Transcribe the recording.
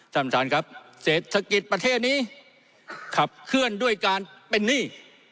ท่านประธานครับเศรษฐกิจประเทศนี้ขับเคลื่อนด้วยการเป็นหนี้